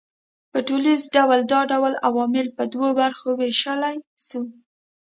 په ټوليز ډول دا ډول عوامل پر دوو برخو وېشلای سو